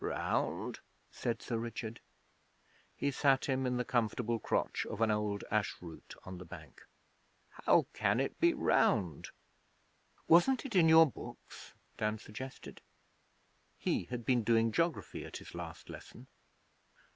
'Round?' said Sir Richard. He sat him in the comfortable crotch of an old ash root on the bank. 'How can it be round?' 'Wasn't it in your books?' Dan suggested. He had been doing geography at his last lesson.